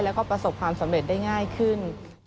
แล้วก็ประสบความสำเร็จได้ง่ายขึ้น